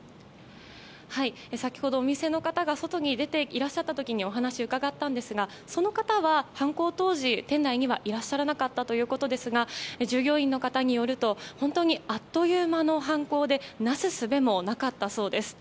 先ほどお店の方が外に出ていらっしゃった時にお話を伺ったんですがその方は、犯行当時は店内にはいらっしゃらなかったということですが従業員の方によると本当にあっという間の犯行でなすすべもなかったそうです。